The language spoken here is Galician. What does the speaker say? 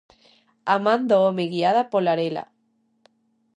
A man do home guiada pola arela.